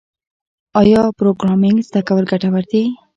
آیا پروګرامینګ زده کول ګټور دي؟